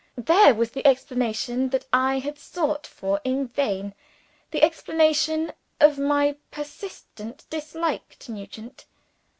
There was the explanation that I had sought for in vain the explanation of my persistent dislike to Nugent!